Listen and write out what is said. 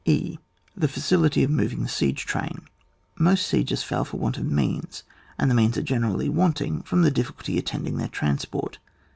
{e) The facility of moving the siege train. Most sieges fail for want of means, and the means are generally wanting from the difficulty attending their transport.